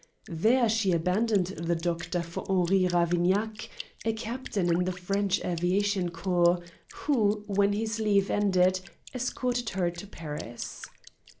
There she abandoned the doctor for Henri Ravignac, a captain in the French Aviation Corps, who, when his leave ended, escorted her to Paris.